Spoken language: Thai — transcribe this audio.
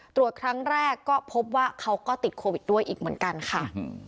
ตรวจครั้งแรกก็พบว่าเขาก็ติดโควิดด้วยอีกเหมือนกันค่ะ